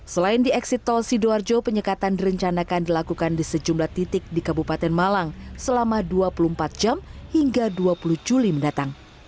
selain di eksit tol sidoarjo penyekatan direncanakan dilakukan di sejumlah titik di kabupaten malang selama dua puluh empat jam hingga dua puluh juli mendatang